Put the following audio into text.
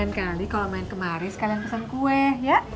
dan kali kalau main kemarin sekalian pesan kue ya